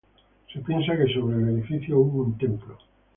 Se piensa que sobre el edificio hubo un templo.